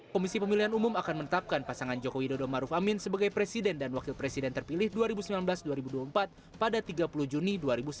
komisi pemilihan umum akan menetapkan pasangan joko widodo maruf amin sebagai presiden dan wakil presiden terpilih dua ribu sembilan belas dua ribu dua puluh empat pada tiga puluh juni dua ribu sembilan belas